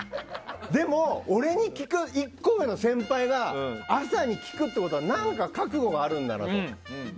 でも、俺に聞く１個上の先輩が俺に聞くって何か覚悟があるんだろうなと。